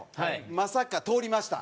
まさか通りました。